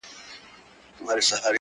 نه یوه مسته ترانه سته زه به چیري ځمه.!